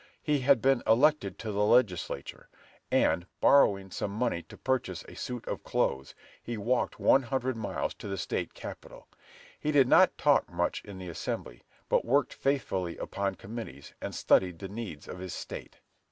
He had been elected to the Legislature, and, borrowing some money to purchase a suit of clothes, he walked one hundred miles to the State capitol. He did not talk much in the Assembly, but he worked faithfully upon committees, and studied the needs of his State.